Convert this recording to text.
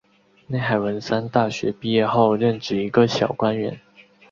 内海文三大学毕业后任职一个小官员。